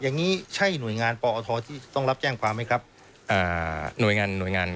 อย่างนี้ใช่หน่วยงานปอทที่ต้องรับแจ้งความไหมครับหน่วยงานหน่วยงาน